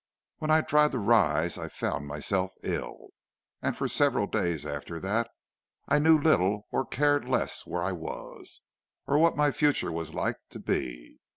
When I tried to rise I found myself ill, and for several days after that I knew little and cared less where I was, or what my future was like to be.